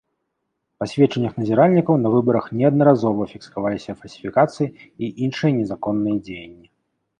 Па сведчаннях назіральнікаў, на выбарах неаднаразова фіксаваліся фальсіфікацыі і іншыя незаконныя дзеянні.